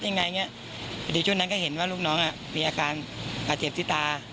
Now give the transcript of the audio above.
รคะมารดิทธิตรสกสงครามสงครามใฮะ